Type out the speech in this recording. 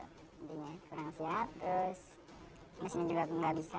mungkin ya kurang siap terus mesinnya juga nggak bisa